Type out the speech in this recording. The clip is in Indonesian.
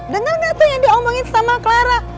dengar gak tuh yang diomongin sama clara